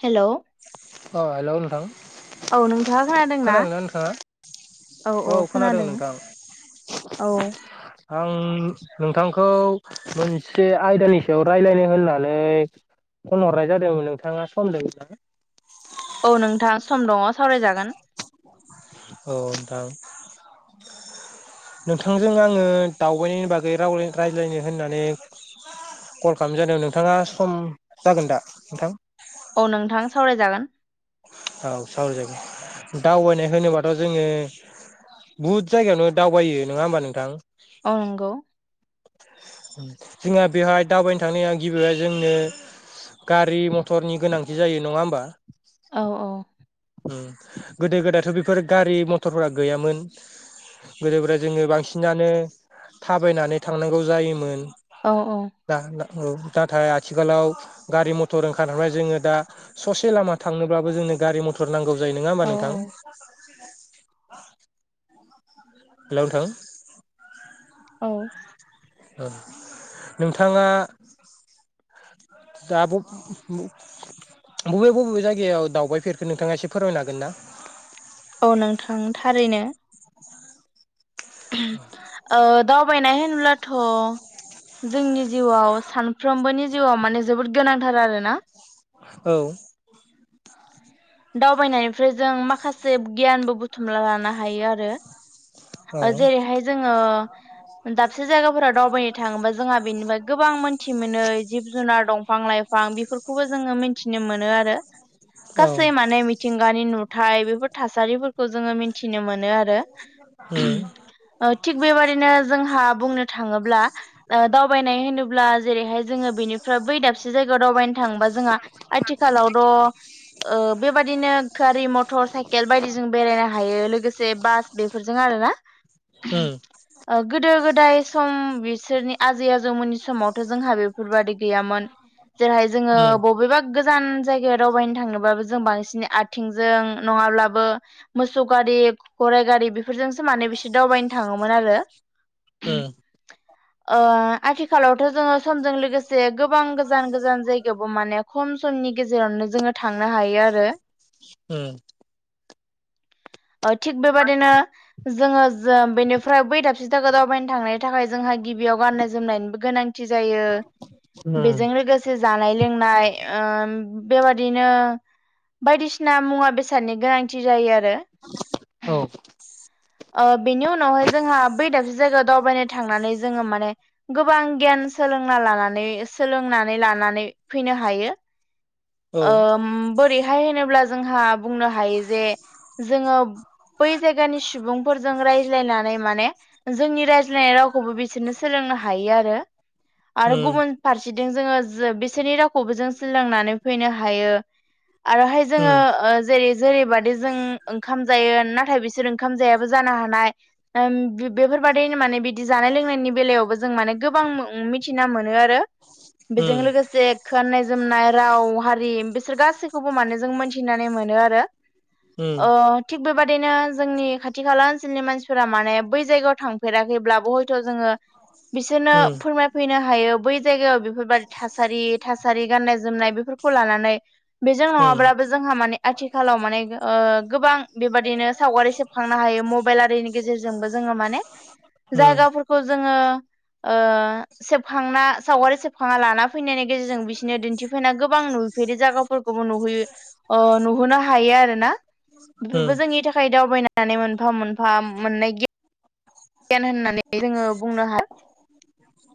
हेल' औ अ हेलौ नोंथां नोंथांङा खोनादों ना खोनादोंना नोंथाङा औ औ खोनादों औ आं नोंथांखौ मोनसे आयदानि सायाव रायलायनो होननानै फन हरनाय जादोंमोन नोंथाङा सम दोंना? औ नोंथां सम दङ सावरायजागोन औ नोंथां नोंथांजों आङो दावबायनायनि बागै राव रायज्लायनो होननानै कल खालामजादों नोंथाङा सम जागोन दा नोंथां औ नोंथां सावरायजागोन औ सावराय जगोन दावबायनाय होनोबाथ' जोङो बुहुद जायगायावनो दावबायो नङा होमबा नोंथां औ नंगौ जोंहा बेवहाय दावबायनो थांनाया गिबिहाय जोंनो गारि मथरनि गोनांथि जायो नङा होमबा औ गोदो गोदायथ' बे बेफोर गारि मथरफोरा गैयामोन गोदो गोदाय जोङो बांसिनानो थाबायनानै थांनांगौ जायोमोन। औ औ। दा नाथाय आथिखालाव गारि मथर ओंखारनानैाय जोङो दा ससे लामा थांनोब्लाबो जों गारि मथर नांगौ जायो नङा होमबा औ नोंथां हेल'नोंथां औ औ नोंथाङा दा आब' बबे बबे जायगायाव दावबायफेरखो नोंथाङा एसे फोरमायनो हागोन ना औ नोंथां थारैनो औ ओ दावबायनाय होनब्लाथ' जोंनि जिउआव सानफ्रोमबोनि जिउआव माने जोबोद गोनांथार आरोना औ दावबायनायनिफ्राय जों माखासे गियानबो बुथुमना लानो हायो आरो औ जेरैहाय जोङो दाबसे जायगाफोराव दावबायनो थाङोबा जोंहा बेनिफ्राय गोबां मोनथि मोनो जिब जुनार दं बिफां लाइफां बेफोरखौबो जोङो मिथिनो मोनो आरो औ गासै माने मिथिं मानि नुथाय बेफोर थासारिफोरखौ जोङो मिथिनो मोनो आरो ओ थिग बेबादिनो जोंहा बुंनो थाङोब्ला दावबायनाय होनोब्ला जेरैहाय जोङो बेनिफ्राय बै दाबसे जायगायाव दावबायनो थाङोबा जोंहा आथिखालाव द' बेबादिनो गारि मटर साइकेल बायदिजों बेरायनो हायो लोगोसे बास बेफोरजों जोंआरोना उम गोदो गोदाय सम बिसोरनि आजै आजौमोननि समावथ' जोंहा बेफोरबायदि गैयामोन जेरैहाय जोङो उम बबेबा गोजान जायगायाव दावबायनो थांनोबाबो जों बांसिन आथिंजों नङाब्लाबो मोसौ ग गारि धराय गारि बेफोर फोरजोंसो माने बिसोर दावबायनो थाङोमोन आरो उम ओ आथिखालावथ' जोङो समजों लोगोसे गोबां गोजान गोजान जायगायावबो माने खम समनि गेजेरावनो जोङो थांनो हायो आरो उम थिग बेबादिनो जोङो जो बेनिफ्राय बै दाबसे दावबायनो थांनायनि थाखाय जोंहा गिबियाव गाननाय जोमनायनि गोनांथि जायो उम बेजों लोगोसे जानाय लोंनाय ओ बेबादिनो बायदिसिना मुवा बेसादनि गोनांथि जायो आरो औ ओ बेनि उनावहाय जोंहा बै दाबसे जायगायाव दावबायनो थांनानै जोङो माने गोबां गियान सोलोंना लानानै सोलोंनानै लानानै फैनो हायो। औ ओ बोरै होनोब्ला जोंहा बुंनो हायोजे जोङो बै जाइगानि सुबुंफोरजों रायज्लायनानै माने जोंनि रायज्लायनाय रावखौबो बिसोरनो सोलोंनो हायो आरो आरो उम गुबुन फारसे जोङो बिसोरनि रावखौबो जों सोलोंनानै फैनो हायो आरोहाय उम जोङो जेरै जेरैबादि जों ओंखाम जायो नाथाय बिसोर ओंखाम जायाबो जानो हानाय बेफोरबायाददिनो माने बिदि जानाय लोंनायनि बेलायावबो जों माने गोबां आं मिथिना मोनो आरो बेजों लोगोसे गाननाय जोमनाय राव हारि बिसोर गासैखौबो माने जों मोनथिनानै मोनो मोनो आरो उम ओ थिग बेबादिनो जोंनि खाथि खाला ओनसोलनि मानसि फोरा माने बै जायगायाव थांफेराखैब्लाबो हयथ' जोङो बिसोरनो उम फोरमायफैनो हायो बै जायगायाव बेफोरबादि थासारि थासारि गाननाय जोमनाय बेफोरखौ लानानै बेजों उम नङाब्लाबो जोंहा माने आथिखालाव माने गोबां बेबादिनो सावगारि खांनो हायो मबाइल आरारिनि गेजेरजोंबो जोङो माने उम जायगाफोरखौ जोङो ओ सेबखांना सावगारि सेबखांना लाना फैनायनि गेजेरजों बिसोरनो दिन्थिफैना गोबां नुफेरै जायगाफोरखौबो नुयो नुहोनो हायो आरोना उम बेफोरबो जोंनि थाखाय दावबायनानै मोनफा मोनफा मोननाय गियान गियान होननानै जोङो बुंनो हायो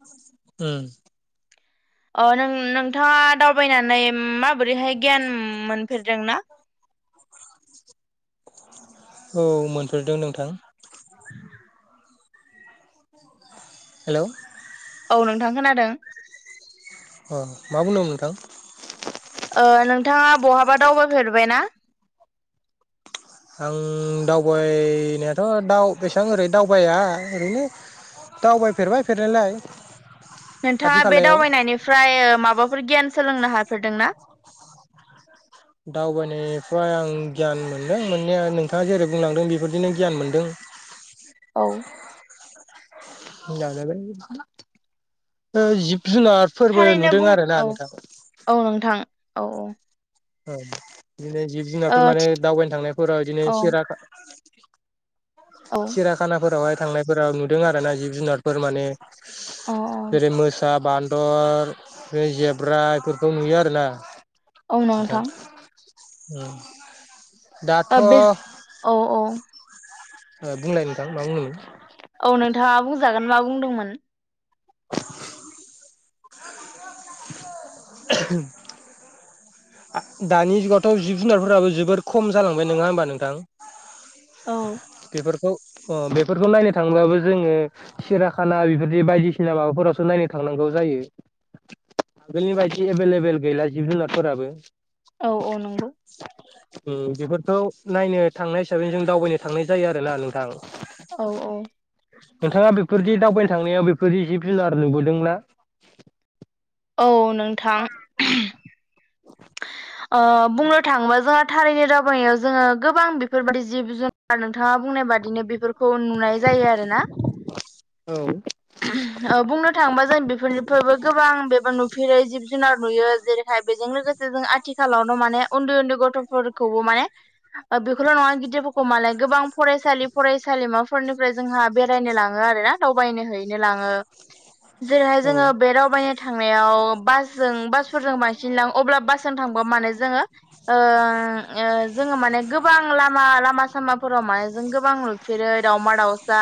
[inaudible] अ नों नोंथाङा दावबायनानै माबोरैहाय गियान मोन होफेरदोंना औ मोनफेरदों नोंथां हेलौ औ नोंथां खोनादों औ मा बुंदोंमोन नोंथां ओ नोंथाङा बहाबा दावबायफेरबाय ना आं दावबायनायाथ' दाव एसेबां ओरैनो दावबाया ओरैनो दावबायफेरबाय फेरनायालाय नोंथाङा बे दावबायनायनिफ्राय माबाफोर गियान सोलोंनो हाफेरदोंना दावबायनायनिफ्राय आं गियान मोनदों मोननाया नोंथाङा जेरै बुंलांदों बेफोरदिनो गियान मोनदों [inaudible] औ [inaudible] जुनाद फोरबो थारैनो नुदों बुं आरोना औ नोंथां औ नोंथां औ औ औ बिदिनो जिब ओ जुनारफोर माने थि दावबायनो थांनायफोराव बिदिनो औ सेरा औ सिराखानाफोरावहाय थांनायफोराव नुदों आरो ना जिब जुनारफोर माने औ जेरै मोसा बानदर बे जेब्रा बेफोरखौ नुयो आरोना औ नोंथां औ औ औ बुंलाय नोंथां मा बुंनो औ नोंथाङा बुंजागोन मा बुंदोंमोन [inaudible] दानि जुगावथ' जिब जुनारफोराबो जोबोर खम जालांबाय नङा होमबा नोंथां औ बेफोरखौ बेफोरखौ नायनो थांबाबो जोङो सिराखाना बेफोरदि बायदिसिना माबाफोरावसो नायनो थांनांगौ जायो आगोलनि बायदि एभेलेबेल गैला जिब जुनारफोराबो औ औ नंगौ बेफोरखौ नायनो थांनाय हिसाबै जों दावबायनो थांनाय जायो आरो ना नोंथां औ औ नोंथाङा बेफोरदि दावबायनो थांनायाव बेफोरदि जिब जुनार नुबोदोंना औ नोंथां ओ बुंनो थाङोबा जोंहा थारैनो दावबायनायाव जोङो गोबां बेफोरबायदि जिब जुनार नोंथाङा बुं बुंनाय बादिनो बेफोरखौ नुनाय जायो आरोना औ ओ बुंनो थाङोबा जों बेफोरनिफ्रायबो गोबां बेबो नुफेरै जिब जुनार नुयो जेरैहाय बेजों लोगोसे जों आथिखालावनो माने उन्दै उन्दै गथफोर खौबो माने ओ बेखौल‌ नङा गिदिरफोरखौ मालाय गोबां फरायसालि फरायसालिमा फोरनिफ्राय जोंहा बेरायनो लाङो आरो ना दावबायनो हैनो लाङो। जेरैहाय औ जोङो बे दावबायनो थांनायाव बासजों बासफोरजों बांसिन लां अब्ला बासजों थां माने जोङो ओ ओ जोङो माने गोबां लामा लामा सामाफोराव माने जों गोबां‌ नुफेरै दावमा दावसा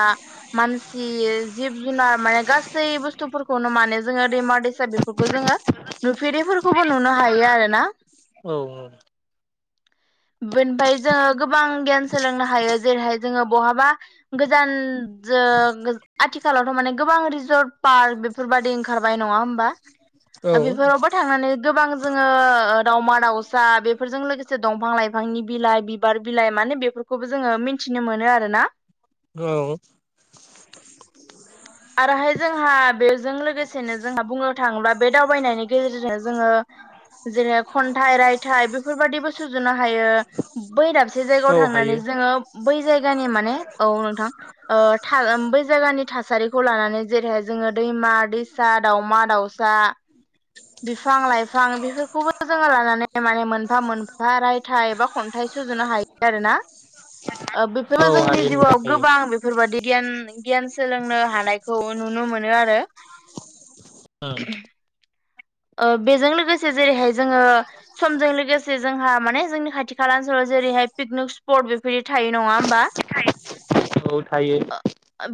मानसि‌‌ जिब जु जुनार माने गासै बुस्थुफोरखौनो माने जोङो दैमा दैसा बेफोरखौ जोङो नुफेरैफोरखौबो नुनो हायो आरोना। औ औ। बेनिफाय जोङो गोबां गियान सोलोंनो हायो जेरैहाय जोङो बहाबा गोजान जो आथिखालावथ माने गोबां रिजर्ट पार्क बेफोरबादि ओंखारबाय नङा होमबा। औ बेफोरावबो थांनानै गोबां जोङो ओ दावमा दाउसा बेफोरजों लोगोसे दंफां लाइफांनि बिलाइ बिबार बिलाइ माने बेफोर खौबो जोङो मिन्थिनो मोनो आरोना। औ। आरोहाय जोंहा बेजों लोगोसेनो जोंहा बुंनो थाङोब्ला बे दावबायनायनि गेजेरजों जोङो जेरै खन्थाइ रायथाइ बेफोरबादिबो सुजुनो हायो बै दाबसे जायगायाव औ थांनानै हायो जोङो बै जायगानि माने औ नोंथां ओ बै जायगानि थासारि खौ लानानै जेरैहाय जोङो दैमा दैसा दाउमा दाउसा। बिफां लाइफां बेफोरखौबो जोङो लानानै माने मोनफा मोनफा रायथाइ एबा खन्थाइ। सुजुनो हायो आरो ना। [unintelligible] ओ बेफोरो औ जोंनि हायो नोंथां जिउआव हायो गोबां बेफोरबादि गियान गियान सोलोंनो हानाय। नायखौ नुनो मोनो आरो। ओं। ओ बेजों लोगोसे जेरैहाय जोङो समजों लोगोसे जोंहा माने जोंनि खाथि खाला ओनसोलाव जेरैहाय पिकनिक स्पट बेफोरदि थायो। नङा होमबा औ थायो ओ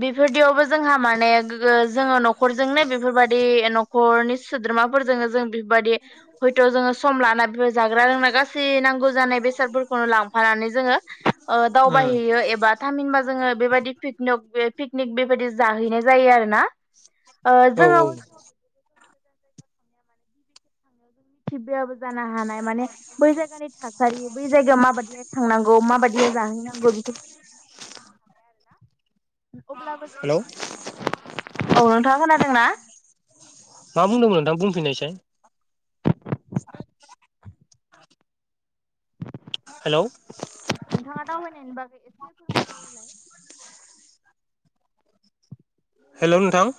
बेफोरदियावबो जोंहा मा माने गोगो जोङो नखरजोंनो बेफोरबदि नखरनि सोद्रोमाफोरजोंनो जों बिफोर बायदि हयत जोङो सम लाना बेफोर जाग्रा रोंग्रा गासै नांगौ जानाय बेसादफोरखौनो लांफानानै जोङो ओ उम दावबायहैयो एबा थामहिनबा जोङो बेबायदि पिकनक ओ पिकनिक बेबायदि जाहैनाय जायो आरोना औ औ ओ [unintelligible] [unintelligible] मिथिबायाबो जानो हानाय माने बै जायगानि थासारि बै जायगायाव माबायदिहाय थांनांगौ माबायदिहाय जाहैनांगौ बेफोरखौ हानाय आरो ना [inaudible] अब्लाबो हेलौ [inaudible] औ नोंथाङा खोनादोंना। मा बुंदोंमोन नोंथां बुंफिननायसाय। हेलौ नोंथाङा दावबायनायनि बागै एसे फोरमायलाय। हेलौ नोंथां।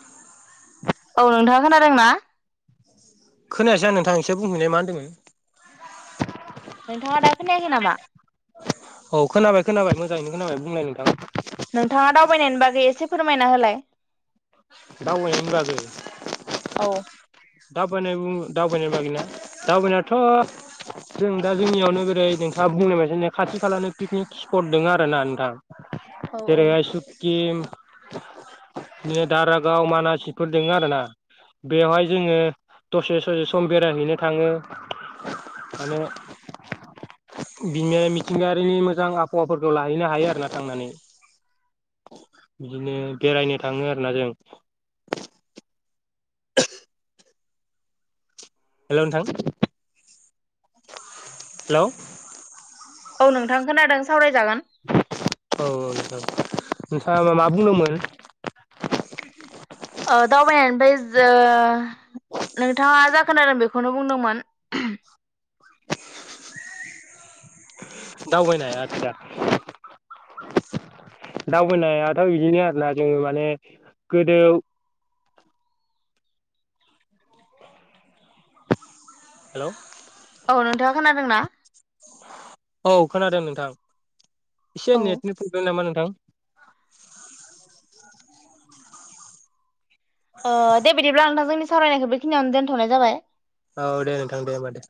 औ नोंथाङा खोनादों ना। खोनायासै आं नोंथां एसे बुंफिननाय मा होनदोंमोन। नोंथाङा दा खोनायाखै नामा। औ खोनाबाय खोनाबाय मोजाङैनो खोनाबाय बुंलाय नोंथां। नोंथाङा दावबायनायनि बागै एसे फोरमायना होलाय। दावबायनायनि औ बागै। दावबायनाय उ दावबायनाय बागैना दावबायनायाथ' जों दा जोंनियावनो जेरै नोंथां बुंनायबायदिनो खाथि खालानो पिकनिक स्पट दङ आरो ना नोंथां। जेरैहाय सिकिम। दारागाव मानासिफोर दोङो आरोना बेआवहाय जोङो दसे ससे सम बेरायहैनो थाङो माने [unintelligible] मिथिंगायारिनि मोजां आबहावाफोरखौ लाहैनो हायो आरोना थांनानै। बिदिनो बेरायनो थाङो आरोना जों हेल' नोंथां हेल'? औ नोंथां खोनादों सावरायजागोन। औ औ नोंथां नोंथाङा बा मा बुंदोंमोन? ओ दावबायाय निफ्राय जो नोंथाङा जागोन आरो बेखौनो बुंदोंमोन। दावबायनाया आदसा दावबोनायाथ' बिदिनो आरोना जोङो माने गोदो [inaudible] हेल' औ नोंथाङा खोनादोंना? औ खोनादों नोंथां एसे औ नेटनि प्रब्लेम नामा नों थां? ओ दे बिदिब्ला नोंथां जोंनि सावरायनायखौ बेखिनियावनो दोनथ'नाय जाबाय। औ दे नोंथां दे होमबा दे।